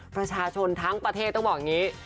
ประชาชนทั้งประเทศต้องบอกอย่างนี้